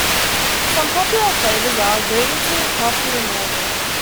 Some popular flavors are: green tea, coffee, and yogurt.